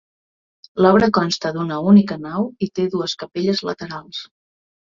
L'obra consta d'una única nau i té dues capelles laterals.